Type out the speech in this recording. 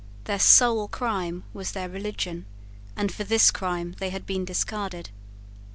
Their sole crime was their religion; and for this crime they had been discarded.